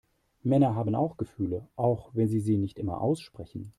Männer haben auch Gefühle, auch wenn sie sie nicht immer aussprechen.